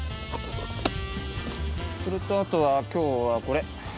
それとあとは今日はこれ。